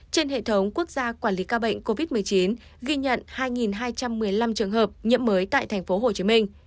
trên hệ thống quốc gia quản lý ca bệnh covid một mươi chín ghi nhận hai hai trăm một mươi năm trường hợp nhiễm mới tại tp hcm